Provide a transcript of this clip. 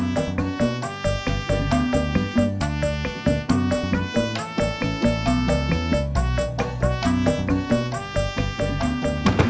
ntar kak cimont